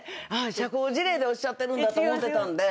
社交辞令でおっしゃってると思ってたんで。